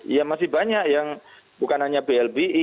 ya masih banyak yang bukan hanya blbi